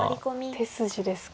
手筋ですか。